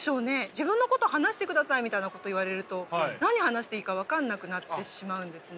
自分のこと話してくださいみたいなこと言われると何話していいか分かんなくなってしまうんですね。